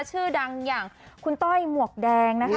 ชื่อดังอย่างคุณต้อยหมวกแดงนะคะ